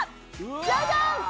ジャジャン！